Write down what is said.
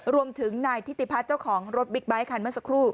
รวมถึงนายทิติพัฒน์เจ้าของรถบิ๊กไบท์คันเมื่อสักครู่